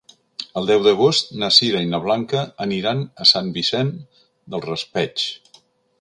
El deu d'agost na Sira i na Blanca aniran a Sant Vicent del Raspeig.